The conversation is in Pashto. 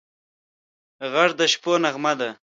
غږ د شپو نغمه ده